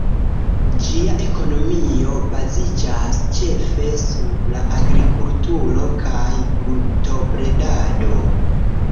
Ĝia ekonomio baziĝas ĉefe sur la agrikulturo kaj brutobredado.